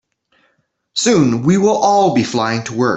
Soon, we will all be flying to work.